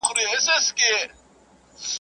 برخي وېشه، مړونه گوره.